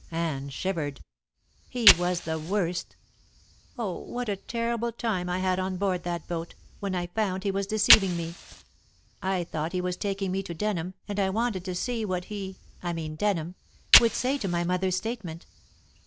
Anne shivered. "He was the worst. Oh, what a terrible time I had on board that boat, when I found he was deceiving me. I thought he was taking me to Denham, and I wanted to see what he I mean Denham would say to my mother's statement.